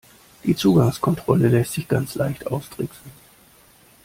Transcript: Die Zugangskontrolle lässt sich ganz leicht austricksen.